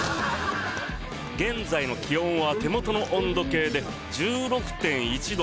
現在の気温は手元の温度計で１６．１度。